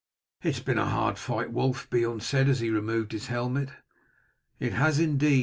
"It has been a hard fight, Wulf," Beorn said, as he removed his helmet. "It has indeed.